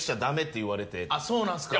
そうなんすか。